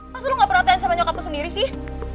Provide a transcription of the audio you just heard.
pas lo gak perhatian sama nyokap lo sendiri sih